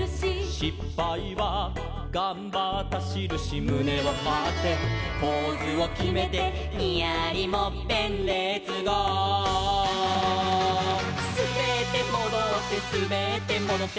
「しっぱいはがんばったしるし」「むねをはってポーズをきめて」「ニヤリもっぺんレッツゴー！」「すべってもどってすべってもどって」